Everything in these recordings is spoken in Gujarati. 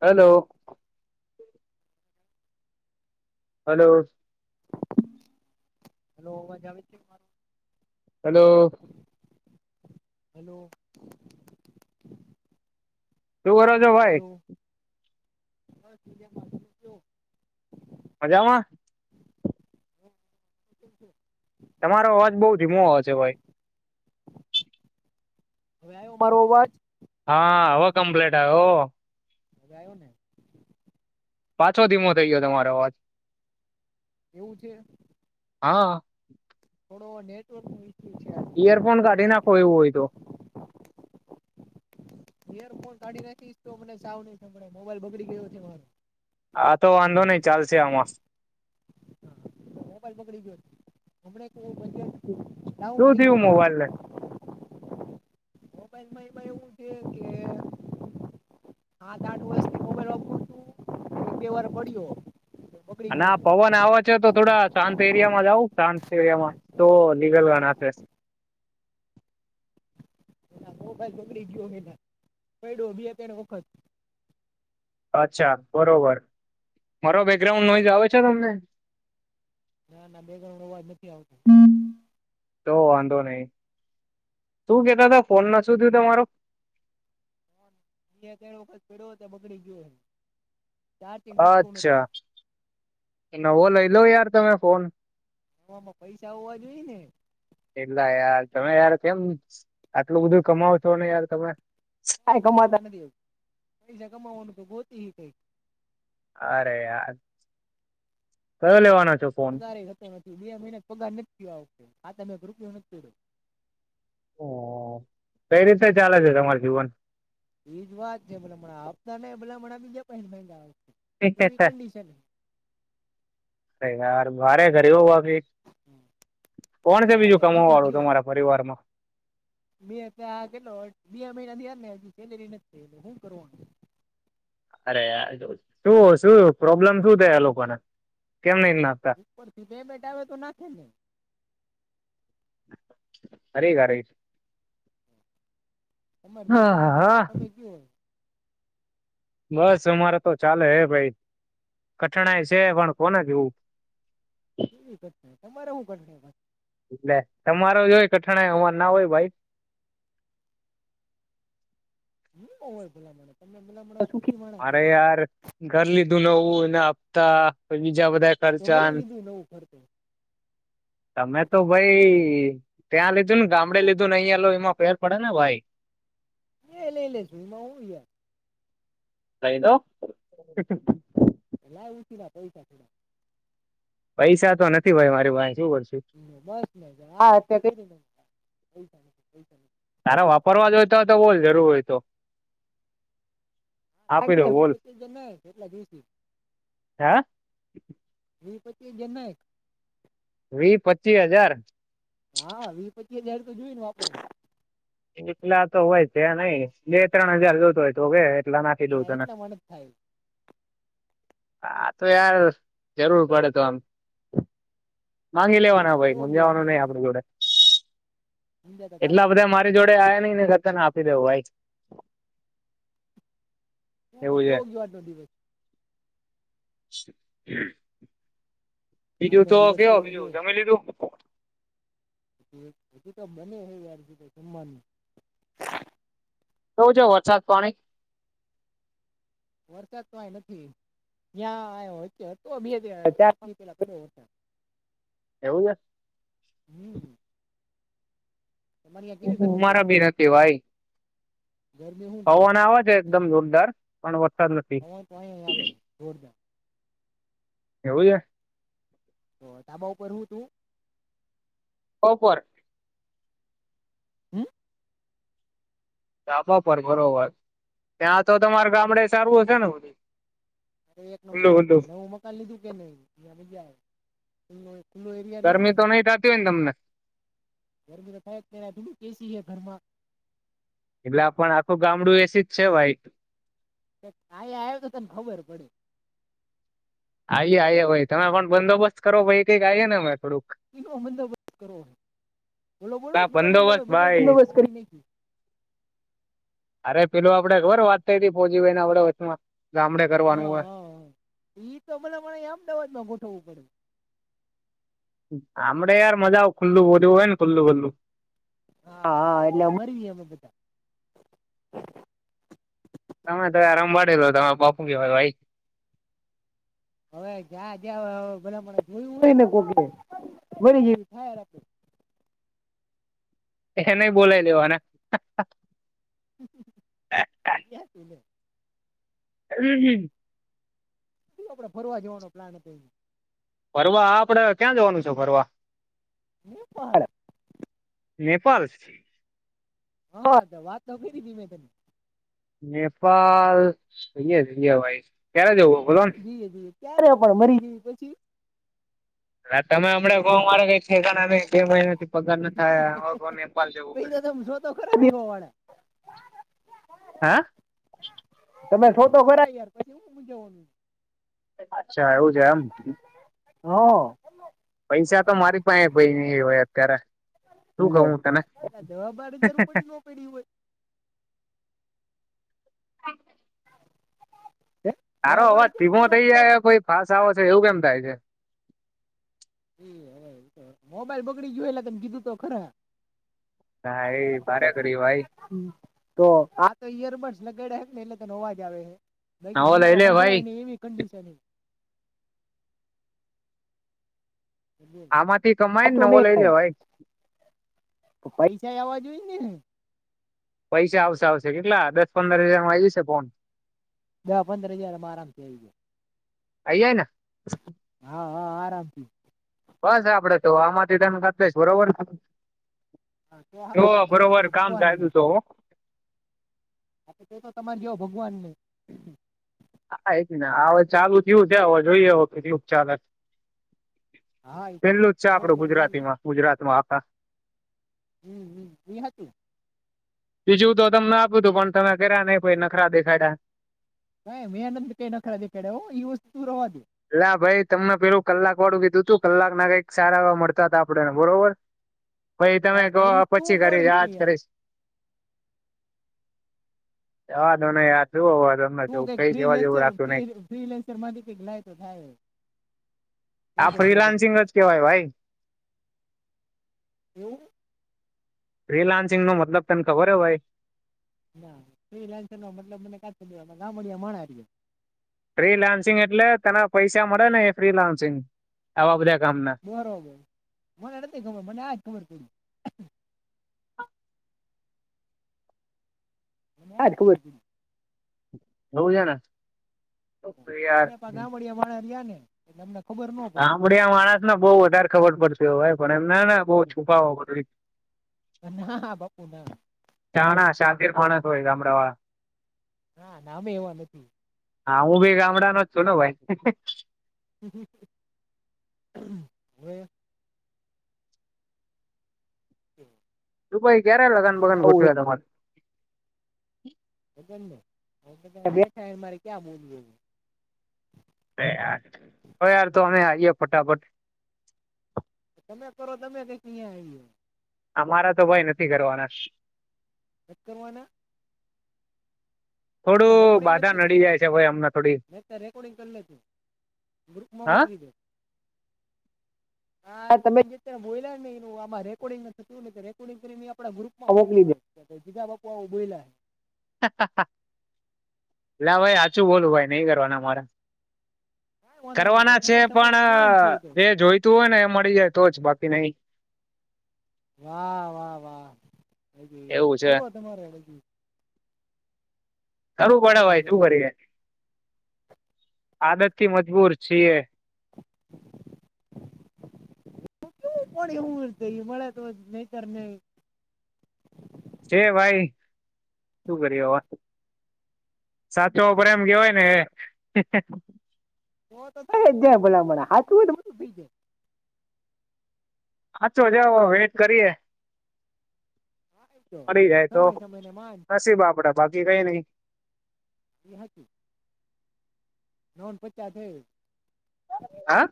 હેલો હલો હલો અવાજ આવે છે. હાલો [inaudible] શુ કર છો ભાઈ [inaudible] મજામાં [inaudible] તમારો અવાજ બઉ ધીમો આવ છે ભાઈ હવે આવ મારો અવાજ હા આવો કમપ્લેટ ઓ હવે આવ્યો ને પાછો ધીમો થઇ ગયો તમારો અવાજ એવું છે. હા થોડો નેટવર્ક નો ઇસ્યુ ઈયરફોન કાઢી નાખો એવું હોય તો ઈયરફોન કાઢી નાખીશ તો મને સાવ નહભે મોબાઈલ બગડી ગયો છે આ તો વાંધો નહી ચાલશે આમાં મોબાઈલ પકડી ગયો હમ શું થયું મોબાઈલ ને મોબાઈલમાં એ એવું છે કે આત આઠ વર્ષથી મોબાઈલ વાપર હતું એક બે વાર પડ્યો અને આ પવન આવે છે તો થોડા એરિયામાં જાંવ એરિયામાં તો લીગલ ગણા--શે મોબાઈલ પકડી ગયો હેના ડો બી તેને વખત અચ્છા બરોબર મારો બેકગ્રાઉન્ડ નોઈસ આવે છે તમને ના ના [unintelligible] અવાજ નથી આવતો તો વાંધો નહી શું કેતા તા ફોન ના શું થયું તમારો બે ત્રણ વખત પડ્યો ત બગડી ગયો એ અચ્છા નવો લઈ લો યાર તમે ફોન હવામાં પૈસા હોવા જોઈએ ને એટલા યાર તમે યાર કેમ આટલું બધું કમાવ છો ને યાર તમે કઈ કમાતા નથી પૈસા કમાવાનું તો ગોતુંયે કઈ અરે યાર કયો લેવાનો છે પગારેતો નથી બે મહિને પગાર આ તમે રૂપયો નથી્યો હ કઈ રીતે ચાલે છે તમાર જીવન એજ વાત છેલા મને આપના ને ભલા માણ [unintelligible] [unintelligible] અરે યાર ભરે કર્યું હો યાર બાકી કોણ છે આવું બીજું હલે કમાવા તમે વાળું કયો તમારા પરિવારમાં મે ત્યા કે મહિનાથીાર હ સેલેરી નથી એટલે શું કરવાનું શું શું પ્રોબ્લેમ શું થ આ લોકોને કેમ નહી નાખતા ઉપર થી પેમેન્ટ આવે તો નાખે ને અરે હરે તમારે જેવું થોડું તમે કયો હોય બસ અમારે તો ચાલે હે ભાઈ કઠિણાઈ છે પણ કોને કેવું કેવી કર તમારે હું કર એટલે તમારો જોય કઠાણાય અમાર ના હોય ભાઈ હું હોય ભલામણ તમે ભલામણ મારે યાર ઘર લીધું ું નવું એને હાંફતા પી બીજા બધા ખર્ચા તમે તો ભાઈ ત્યાં લ ત્યાં લો અને ગામડે લ્યો એમાં પેર પડે ને ભાઈ એ લઈ લઈ સુું ઈમાં હું યાર કઈ નઈ ક ઉછી પૈસા થોડા પૈસા તો નથી ભાઈ મારી પાહે બસ મજા હા અત્યારે કઈ કોહી ચાઈ તારા વાપરવા જોય તો હોય તો બોલ જરૂર હોય તો આપી દઉં વીસ બોલ પચીસ હજાર નાંખ હે એક જણ ન એ વી પચીસ હજાર તે દાડે તો જોયું ને આપણે એકલા તો હોય છે નહી બે ત્રણ હજાર જોતો હોય તો કે એટલા નાખી દઉં તને હા તો યાર જરૂર પડે તો આમ માંગી લેવાના ભાઈ મૂંઝાવાનું નહી આપણી જોડે [inaudible] ઘરે આયા નહીં ને નકર તને આપી દેઉં ભાઈ શું કે એવું છે કેવો ગયો આજનો દિવસ? [inaudible] બીજું તો ક્યો બીજું જમી લીધું? હજી તો બને હે યાર હજી તો જમવાનું કેવો છે વરસાદ, પાણી? વરસાદ તો આહી નથી ન્યા વચે હતો બે ચાર દી પેલા પડ્યો વરસાદ એવું છે અમારા બી નથી ભાઈ પવન આવે છે એકદમ જોરદાર પણ વ પવન તો અહીંયા આવે હે જોરદાર એવું છે તો ધાબા ઉપર હું તું? ઓપર હમ ધાબા પર બરોબર. ત્યાં તો તમારે ગામડે સારું હશે ને બધુંય? અરે એક નંબર અને નવું મકાન લીધું કે નહી ઈયા મજા આવે ખુલ્લું હોય ગરમી તો નહી થાતી હોયને તમને? ગરમી તો થાય જ તેને આ થોડુંક એસી હે ઘરમાં એટલે આપણ આખું ગામડું એસી જ છે ભાઈ આઈયા આય તો તને ખબર પડે. આઈએ આઈએ ભાઈ તમે પણ બંદોબસ્ત કરો ભાઈ કઈક આઈએ ને અમે થોડુંક બોલો બોલો આ શેનો બંદોબસ્ત બધો ભાઈ બંદોબસ્ત કરી નાઈખી. અરે પેલું આપડે ખબરે વાત થઈ તી ફોજીવ એના આપણે વચમાં ગામડે હહ કરવાનું હોય હહ હહ ઈ તો ભલા માણ ઈ અમદાવાદમાં ગોઠવવું પડે. ગામડે યાર મજા ખુલ્લું બધું હોય ને ખુલ્લું ખુલ્લું હા હા એટલે મરી અમે બધાં તમે તો આ રંભાડે તો તમે પપુ કેવા ભાઈ હવે જ્યા જ્યા હવે બધા જોયું હોયને કોક બની જવી થાય રાત એને બોલાય લેવાના [inaudible] હમ હમ આપડે ફરવા જવાનો પ્લાન હતો એ ફરવા આપડે ક્યાં જવાનું છે ફરવા [inaudible] નેપાલ હા વાત તો કરી હતી મેં તને નેપાલ અહીંયા અયા ભાઈ ક્યારે જવો જી જી ક્યારે પણ મરી જેવી [inaudible] તમે હમણા મારે કઈક ઠેકાણા નહીં બે મહિના થી પગાર ના થાય હવ નેપાલ જવું હૈ હા તમે શો તો કરાય યાર પછી શું ઉજવવાનું અચ્છા એવુ છે એમ હા એ હોય અત્યારે શું કહું તને દવા બાારને રું પડી ન પડી હોય તારો અવાજ ધીમો થઈ જાય કોઈ ફાસ આવો છે એવું કેમ થાય છે. મોબાઈલ બગડી ગયોલાગત કીધું તો ખરા ભાઈ ભારે કરી ભાઈ તો આયાર લગડે ને એટલે તો નોવાજ આવે છે બાકે નવો મને તો લઈ લે ભાઈ સંંભળાય નહી એવી કંડીશન ચરી આમાંથી કમાય ને વાચું નવો નઈ લઈ બે લેવાય પૈસા આવવા જોઈ [inaudible] પૈસા આવશે આવશે કેટલા દસ પંદર હજાર મા આવી જશે ફોન દહ પંદર હજારમાં આરામથી આવી અયજાયને હા હ આરામ બસ આપડે તો આમાંથી તેમ કટલેશ બરોબર જો હા તમારે બરોબર જોવ કામ ભગવાનની ચાલ્યું તો તો તો તમારે જો ભગવાનને હા એજના હવે ચાલુ થિયું છે હવે જોઈએ કેટલુક ચાલે પેલ્લું જ છે આપડું ગુજરાતીમાં ગુજરાતમાં [inaudible] હમ્મ હમ્મ એ હતું. બીજું તો તમના આપ્યુંતું પણ તમે કર્યા નય કોઈ નખરા દેખાડયા. એ મેં નથી કઈ નખરા દેખાડયા ઈ વસ્તુ રવાદે. લા ભાઈ તમને પેલું કલાકવાળું કીધું કલાકનાં કઈક સારા એવા મળતા હતા આપડે બરોબર. પઈ તમે કો પછી કરીશ આજ કરીશ. રવાદોને યાર. શું હવે તમને તું કવ કઈક કઈ કેવા જેવું ફ્રીલેન્સર રાખ્યું નહી ફિલેન્સર માંથી કઈક લા. [unintelligible] આ ફ્રીલાન્સિંગ જ કેવાય ભાઈ. રીલાન્સિંગનો મતલબ તને ખબર હો ભાઈ? નાં રીલાન્સિંગનો મતલબ મનેકા ખબર ગામડિયાં માણહ એટલે. ફ્રીલાન્સિંગ એટલે તને પૈસા મળેને એ ફ્રીલાન્સિંગ આવા બધાં બરોબર મને નથી ખબર મને આજ ખબર પડી. આજ ખબર. હોવું છેને. [unintelligible] [unintelligible] ગામળિયાં માણસને બો વધારે ખબર પડતી. ભાઈ પણ એમ નાના બો છુપાવ હા હા બાપુનાં જાણા શાતિર માણસ હોય ગામડાવાળા. ના અમે એવા નથી. હા હુંબી ગામડાનો જ છુંને ભાઈ. [inaudible] [inaudible] તું ભાઈ ક્યારે લગન બગન ગોઠવ્યા તમારે. [inaudible] [inaudible] અરે યાર ઓ યાર તમે આઈએ ફટાફટ. તમે કરો તમે કઈક અહીયાં આવી. અમારા તો ભાઈ નથી કરવાના. [unintelligible] થોડું આમાં રેકોર્ડિંગ બાધા નથી થતું નડી ને જાય છે ભાઈ અમને થોડી મેં અત્યારે રેકોર્ડિંગ કરી લેતું ગ્રુપમાં હા મોકલી દે. હા તમે બોલાને એ રેકોર્ડંગ થતુંને રેકોર્ડંગ કરી ગ્રુપમાં મોકલી દે બીજા બ બોલા. [inaudible] લ ભાઈ હચું બોલું ભાઈ નહી કરવાના મારા. કરવાના છે પણ એ જોઈતું હોય ને એ મળી જાય તો જ બાકી નહી. વાહ વાહ વાહ. [inaudible] એવું છે ખારું પડય શું કરી આદત થી મજબૂર છે. છ. [unintelligible] જે ભાઈ શું કર હ સાચો પ્ર એમ કેવાયને. તો થાય જ ભલામણા આથું હોય તો બધું થઈ જાય. હાચો જાઓ વેટ કરીએે. મળરી જાય તો નસીબ આપડા બાકી કઈ નઈ. [inaudible] [unintelligible] હા.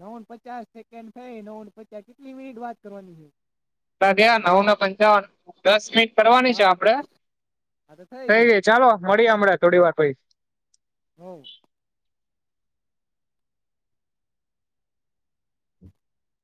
નવન પચાસ સેકન્ડ થઈ નવ પચાસ કેટલી મિનિટ વાત કરવાની છે. નવને પંચાવન દસ મિનિટ. કરવાની છે આપડે થઈ ગઈ ચાલો મળીએ હમણા થોડી વાર. હોઈ. હો.